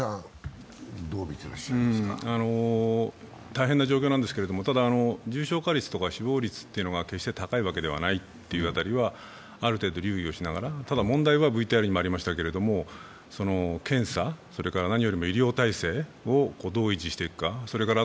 大変な状況なんですけど、重症化率とか死亡率というのは決して高いわけではないという辺りは、ある程度留意しながら、ただ問題は検査、何よりも医療体制をどう維持していくかそれから